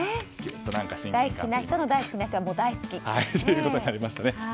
大好きな人の大好きな人は大好きですよね。